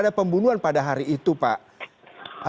akan ada pembunuhan pada hari itu pak akan ada pembunuhan pada hari itu pak